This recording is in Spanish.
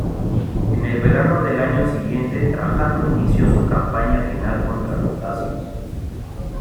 En el verano del año siguiente Trajano inició su campaña final contra los dacios.